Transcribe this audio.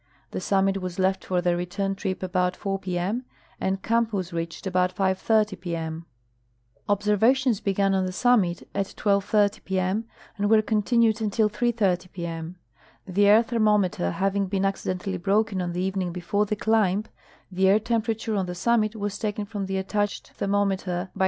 The summit Avas left for the return trip about 4:00 p. in. and camp Avas reached about 5:30 p. m. Observations began on th'e summit at 12:30 p. m. and Avere continued until 3:3') p. m. 'Phe air thermometer having been accidentally broken on the evening before the climb, the air temperature on the summit was taken from the attached ther * Tho Mu